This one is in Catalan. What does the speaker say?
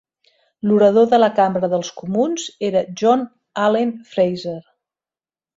L'orador de la Cambra dels Comuns era John Allen Fraser.